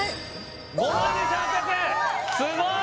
５万２８００円すごい！